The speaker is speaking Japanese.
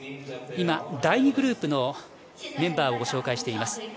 今、第２グループのメンバーをご紹介しています。